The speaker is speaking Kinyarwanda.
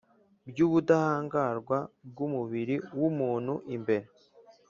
Byubudahangarwa bwumubiri wumuntu imbere